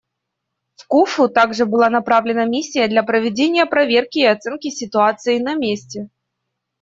В Куффу также была направлена миссия для проведения проверки и оценки ситуации на месте.